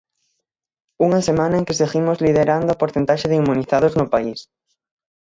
Unha semana en que seguimos liderando a porcentaxe de inmunizados no país.